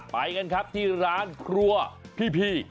ไปกันครับที่ร้านครัวพี่